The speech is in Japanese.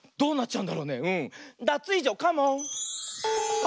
うん。